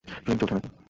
Film চলছে নাকি?